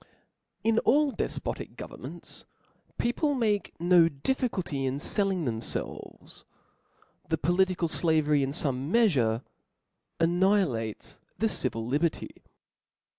In all dcfpotic governments people make no difficulty in felling thcmfelves ; the political flavery in fome meafure annihilates the civil liberty.